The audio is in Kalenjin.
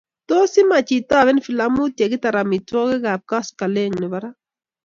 Tos imach itoben filamauit yekitar amitwokik ab koskoling nebo ra?